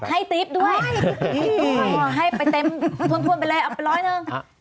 ให้ติ๊บด้วยให้ไปเต็มทวนไปเลยเอาไปร้อยเถิงให้ติ๊บอีกได้อ๊ะ